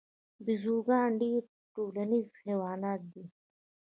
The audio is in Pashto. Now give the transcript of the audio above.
بیزوګان ډیر ټولنیز حیوانات دي